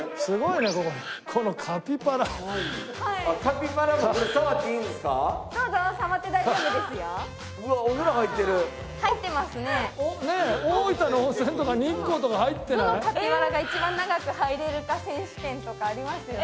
どのカピバラが一番長く入れるか選手権とかありますよね。